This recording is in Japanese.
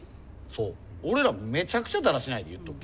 そう俺らめちゃくちゃだらしないで言うとくけど。